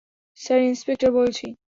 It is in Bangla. স্যার, ইন্সপেক্টর বলছি।